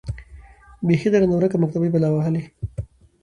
بيـخي ده رانـه وركه مــكتبۍ بــلا وهــلې.